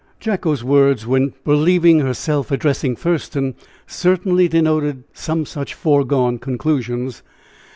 Jacko's words when believing herself addressing Thurston, certainly denoted some such "foregone conclusions."